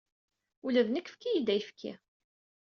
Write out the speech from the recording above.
Ula d nekk, efk-iyi-d ayefki.